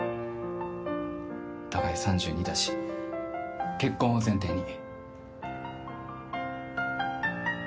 お互い、３２だし結婚を前提に。